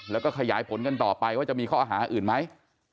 แล้วก็ขยายผลกันต่อไปว่าจะมีข้อหาอื่นไหม